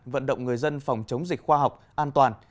vận động người dân phòng chống dịch khoa học an toàn